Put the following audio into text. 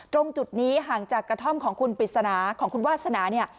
ตรงจุดนี้ห่างจากกระท่อมของคุณปริศนาของคุณวาสนาเนี่ย